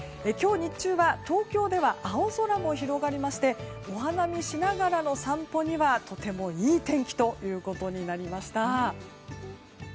今日、日中は東京では青空も広がりましてお花見しながらの散歩にはとてもいい天気となりました。